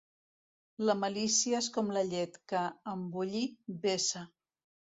La malícia és com la llet, que, en bullir, vessa.